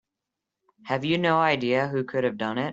Have you no idea who could have done it?